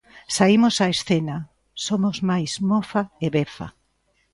Saímos á escena, somos máis Mofa e Befa.